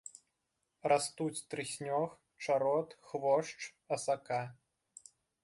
Растуць трыснёг, чарот, хвошч, асака.